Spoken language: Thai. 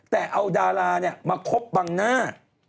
แต่เอาดารามาคบบังหน้า